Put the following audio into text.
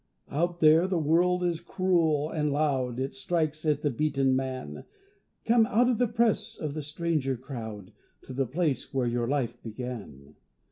Out there the world is cruel and loud, It strikes at the beaten man; Come out of the press of the stranger crowd To the place where your life began.